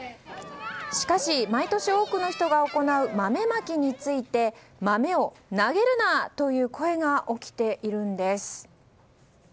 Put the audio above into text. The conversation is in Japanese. しかし、毎年多くの人が行う豆まきについて豆を投げるな！という声が起きているんです。